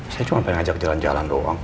saya cuma pengen ajak jalan jalan doang